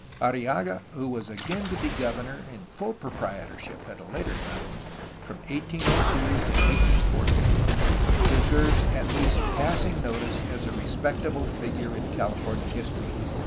Arrillaga, who was again to be governor (in full proprietorship, at the later time) from 1802 to 1814, deserves at least passing notice as a respectable figure in California history.